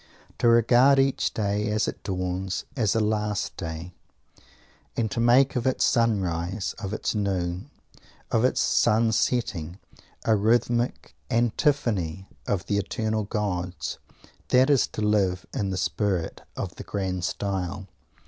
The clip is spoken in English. To regard each day, as it dawns, as a "last day," and to make of its sunrise, of its noon, of its sun setting, a rhythmic antiphony to the eternal gods this is to live in the spirit of the "grand style."